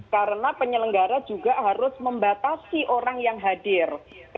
karena penyelenggara juga harus membatasi orang yang hadir